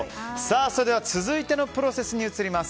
それでは続いてのプロセスに移ります。